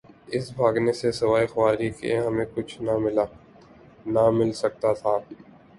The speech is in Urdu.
اس بھاگنے سے سوائے خواری کے ہمیں کچھ نہ ملا... نہ مل سکتاتھا۔